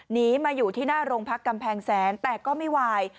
หนีมาอยู่ที่หน้าโรงพักกำแพงแสนแต่ก็ไม่วาย